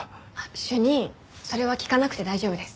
主任それは聞かなくて大丈夫です。